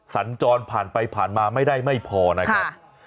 สัญจรผ่านไปผ่านมาไม่ได้ไม่พอนะครับ